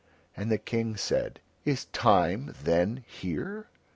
And the King said, "Is Time then here?"